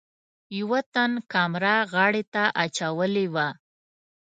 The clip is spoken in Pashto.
یوه تن کامره غاړې ته اچولې وه.